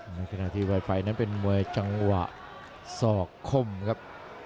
ในขณะที่ไวไฟนั้นเป็นมวยจังหวะสอกคมครับ